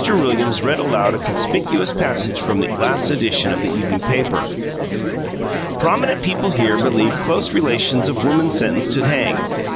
Williams read aloud a conspicuous passage from the last edition of the evening paper: "Prominent people here believed close relations of woman sentenced to hang.